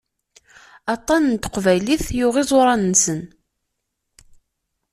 Aṭan n teqbaylit yuɣ iẓuran-nsen.